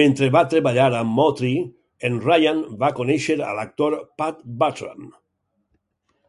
Mentre va treballar amb Autry, en Ryan va conèixer a l'actor Pat Buttram.